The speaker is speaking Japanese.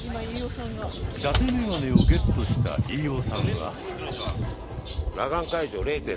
ダテメガネをゲットした飯尾さんは。